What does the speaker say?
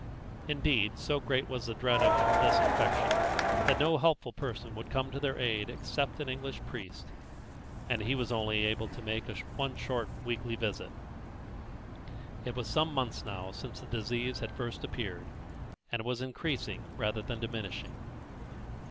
Indeed, so great was the dread of this infection, that no helpful person would come to their aid except an English priest, and he was able only to make a short weekly visit. It was some months now since the disease had first appeared, and it was increasing rather than diminishing.